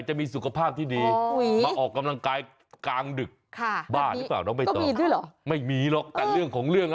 เหมือนการเล่น